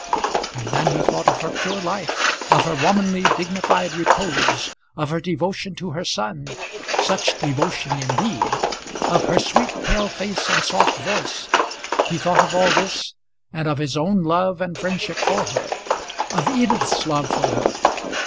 And then he thought of her pure life, of her womanly, dignified repose, of her devotion to her son, such devotion indeed! of her sweet pale face and soft voice! He thought of all this, and of his own love and friendship for her, of Edith's love for her!